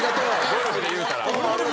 ゴルフでいうたら。